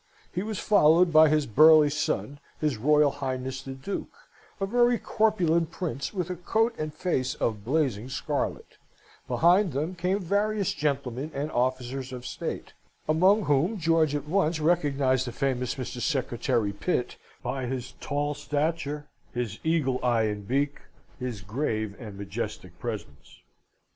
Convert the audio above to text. He was followed by his burly son, his Royal Highness the Duke, a very corpulent Prince, with a coat and face of blazing scarlet: behind them came various gentlemen and officers of state; among whom George at once recognised the famous Mr. Secretary Pitt, by his tall stature, his eagle eye and beak, his grave and majestic presence.